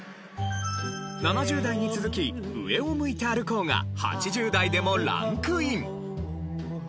７０代に続き『上を向いて歩こう』が８０代でもランクイン！